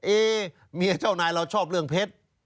เอ๊เมียเจ้านายเราชอบเรื่องเพชร